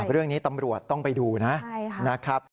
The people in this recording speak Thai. เรื่องนี้ตำรวจต้องไปดูนะครับ